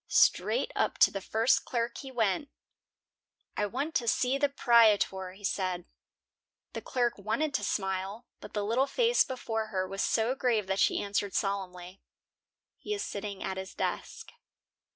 Straight up to the first clerk he went. "I want to see the 'prietor," he said. The clerk wanted to smile, but the little face before her was so grave that she answered solemnly, "He is sitting at his desk."